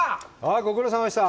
ご苦労さまでした。